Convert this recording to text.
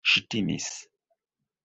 Ŝi timis.